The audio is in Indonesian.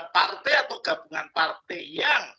partai atau gabungan partai yang